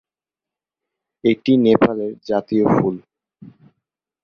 এটি নেপালের জাতীয় ফুল।